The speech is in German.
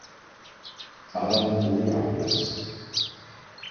Adam Olearius.